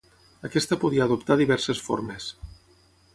Aquesta podia adoptar diverses formes.